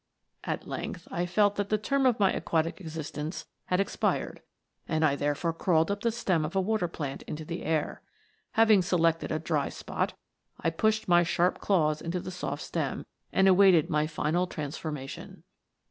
At length I felt that the term of my aquatic existence had expired, and I therefore crawled up the stem of a water plant into the air. Having selected a dry spot, I pushed my sharp claws into the soft stem, and awaited my final transformation.